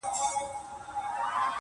اسره مي خدای ته وه بیا تاته!